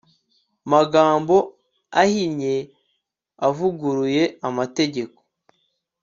magambo ahinnye uvuguruye amategeko